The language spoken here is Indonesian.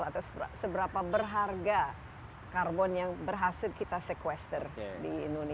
atau seberapa berharga karbon yang berhasil kita sequester di indonesia